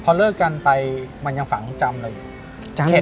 พอเลิกกันไปมันยังฝังจำเราอยู่